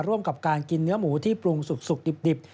ร่วมกับการกินเนื้อหมูที่ปรุงสุกดิบ